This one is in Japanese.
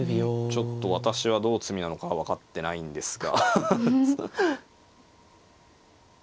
ちょっと私はどう詰みなのかは分かってないんですが。